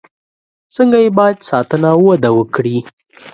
څنګه یې باید ساتنه او وده وکړي.